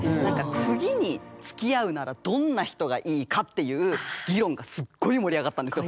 次につきあうならどんな人がいいかっていう議論がすっごい盛り上がったんですよ。